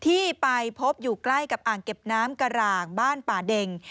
ที่ไปพบอยู่ใกล้กับอ่างเก็บน้ำกระหร่างบ้านป่าเด็ง